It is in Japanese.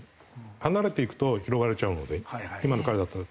離れていくと拾われちゃうので今の彼だったら。